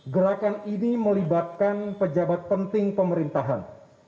gerakan ini melibatkan pejabat penting pemerintahan